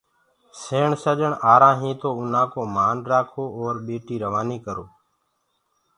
سيڻ سڃڻ آرآ هينٚ تو اُنا ڪو مان رآکو اور ٻٽي روآني ڪرو۔